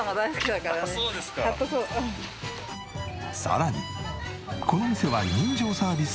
さらにこの店は。